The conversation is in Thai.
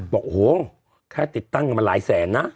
บอกโห้แค่ติดตั้งกันมาหลายแสนนะ